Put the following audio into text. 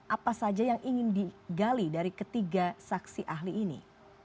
apa saja yang ingin digali dari ketiga saksi ahli ini